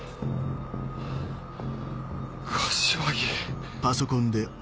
柏木！